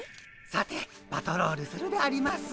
さてパトロールするであります。